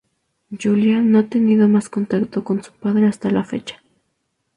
Yulia no ha tenido más contacto con su padre hasta la fecha.